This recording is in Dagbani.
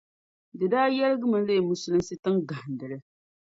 Di daa yɛligimi leegi musulinsi tiŋ gahindili .